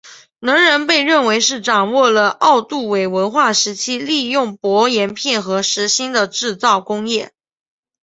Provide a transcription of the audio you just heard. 能人被认为是掌握了奥杜韦文化时期利用薄岩片和石芯的制造工艺。